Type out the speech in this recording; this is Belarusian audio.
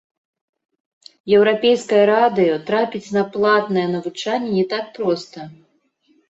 Еўрапейскае радыё трапіць на платнае навучанне не так проста.